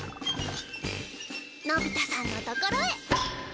のび太さんのところへ。